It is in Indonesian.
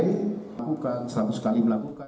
melakukan seratus kali melakukan